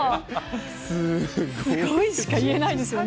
すごいしか言えないですよね。